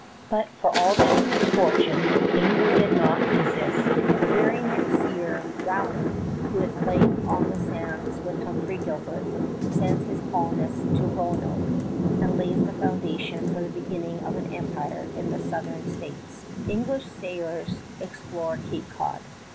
But for all this misfortune, England did not desist. The very next year Raleigh, who had played on the sands with Humphrey Gilbert, sends out his colonists to the Roanoke, and lays the foundations for the beginning of empire in the Southern States. English sailors explore Cape Cod.